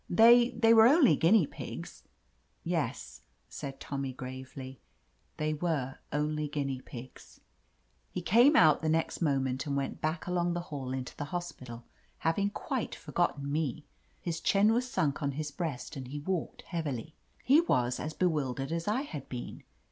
They — ^they were only guinea pigs !" "Yes," said Tommy gravely, "they were only guinea pigs." 123 THE AMAZING ADVENTURES He came out the next moment and went back along the hall into the hospital, having quite forgotten me. His chin was sunk on his breast, and he walked heavily. He was as bewildered as I had been.